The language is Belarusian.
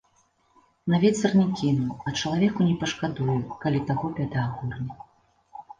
На вецер не кіну, а чалавеку не пашкадую, калі таго бяда агорне.